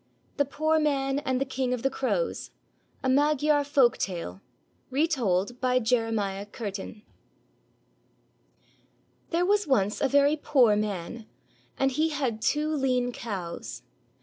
THE POOR MAN AND THE KING OF THE CROWS 1 A MAGYAR FOLK TALE, RETOLD BY JEREML\H CURTIN There was once a very poor man ; and he had two lean cows.